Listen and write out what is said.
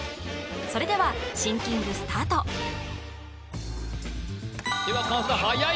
それではシンキングスタートでははやい